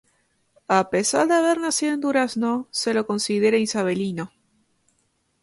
A pesar de haber nacido en Durazno, se lo considera isabelino.